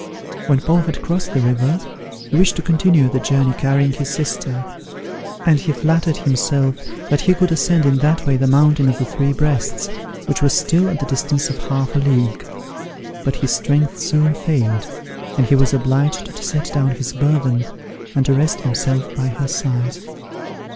When Paul had crossed the river, he wished to continue the journey carrying his sister: and he flattered himself that he could ascend in that way the mountain of the Three Breasts, which was still at the distance of half a league; but his strength soon failed, and he was obliged to set down his burthen, and to rest himself by her side.